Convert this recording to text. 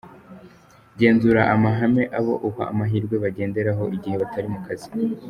Genzura amahame abo uha amahirwe bagenderaho igihe batari mu kazi.